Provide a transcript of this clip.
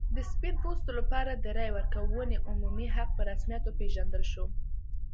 د سپین پوستو لپاره د رایې ورکونې عمومي حق په رسمیت وپېژندل شو.